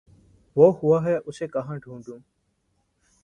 وہ ہوا ہے اسے کہاں ڈھونڈوں